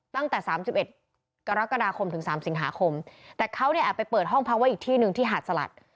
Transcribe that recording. ตั้งแต่สามสิบเอ็ดกรกฎาคมถึงสามสิงหาคมแต่เขาเนี่ยแอบไปเปิดห้องพักไว้อีกที่หนึ่งที่หาดสลัด